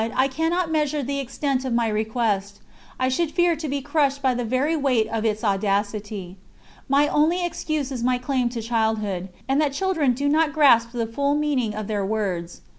I cannot measure the extent of my request, I should fear to be crushed by the very weight of its audacity. My only excuse is my claim to childhood, and that children do not grasp the full meaning of their words.